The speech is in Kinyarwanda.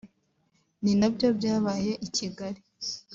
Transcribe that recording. ni nabyo byabaye i Kigali